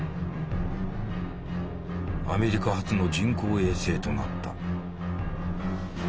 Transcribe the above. アメリカ初の人工衛星となった。